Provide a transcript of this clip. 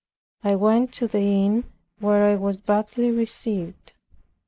I went to the inn, where I was badly received.